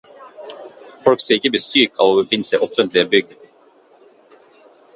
Folk skal ikke bli syke av å befinne seg i offentlige bygg.